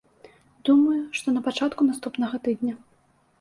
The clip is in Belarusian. Думаю, што на пачатку наступнага тыдня.